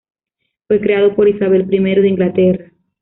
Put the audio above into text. Fue creado por Isabel I de Inglaterra.